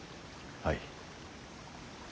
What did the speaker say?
はい。